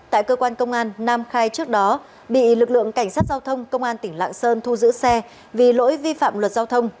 tại cơ quan công an nam khai trước đó bị lực lượng cảnh sát giao thông công an tỉnh lạng sơn thu giữ xe vì lỗi vi phạm luật giao thông